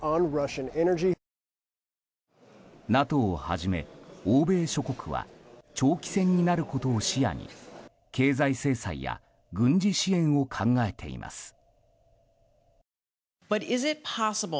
ＮＡＴＯをはじめ欧米諸国は長期戦になることを視野に経済制裁や軍事支援を考えています。